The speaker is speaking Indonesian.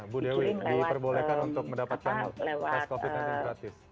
bu dewi diperbolehkan untuk mendapatkan tes covid sembilan belas gratis